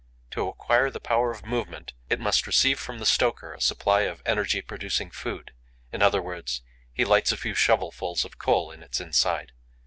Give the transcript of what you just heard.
To acquire the power of movement, it must receive from the stoker a supply of 'energy producing food;' in other words, he lights a few shovelfuls of coal in its inside.